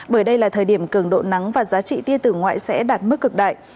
bởi đây là thời điểm cường độ nắng và giá trị tia tử ngoại sẽ đạt mức cực đại